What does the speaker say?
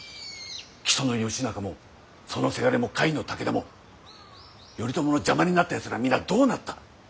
木曽義仲もそのせがれも甲斐の武田も頼朝の邪魔になったやつらは皆どうなった。